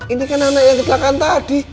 ini kan anak yang kecelakaan tadi